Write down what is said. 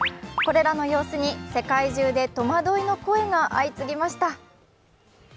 これらの様子に世界中で戸惑いの声が相次ぎました。